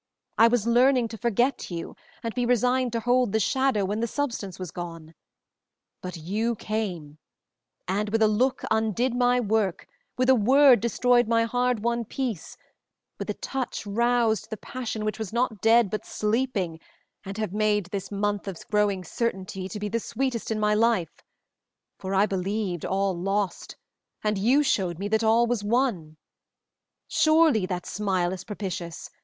I was learning to forget you, and be resigned to hold the shadow when the substance was gone, but you came, and with a look undid my work, with a word destroyed my hard won peace, with a touch roused the passion which was not dead but sleeping, and have made this month of growing certainty to be the sweetest in my life for I believed all lost, and you showed me that all was won. Surely that smile is propitious!